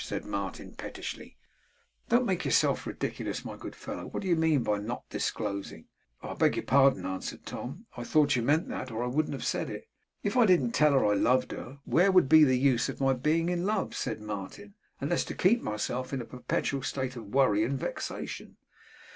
said Martin pettishly: 'don't make yourself ridiculous, my good fellow! What do you mean by not disclosing?' 'I beg your pardon,' answered Tom. 'I thought you meant that, or I wouldn't have said it.' 'If I didn't tell her I loved her, where would be the use of my being in love?' said Martin: 'unless to keep myself in a perpetual state of worry and vexation?